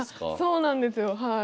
そうなんですよはい。